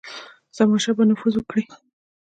زمانشاه به نفوذ وکړي.